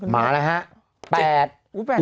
มาแล้วฮะ